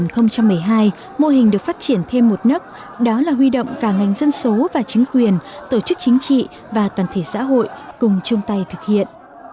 trong mấy hai mô hình được phát triển thêm một nấc đó là huy động cả ngành dân số và chính quyền tổ chức chính trị và toàn thể xã hội cùng chung tay thực hiện